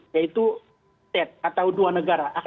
yaitu set atau dua negara